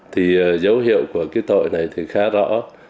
thì dấu hiệu của cái tội này thì khá rõ